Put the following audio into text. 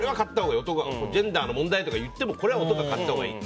ジェンダーの問題とか言ってもこれは男が買ったほうがいい。